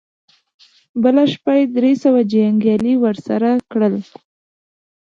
بله شپه يې درې سوه جنګيالي ور سره کړل.